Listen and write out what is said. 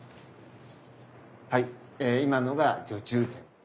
はい今のが序中剣。